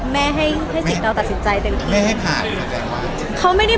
แม่ให้สิ่งเราตัดสินใจเต็มที่